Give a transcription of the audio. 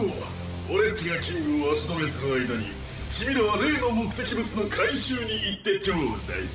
俺っちがキングを足止めする間にチミらは例の目的物の回収に行ってちょうだい。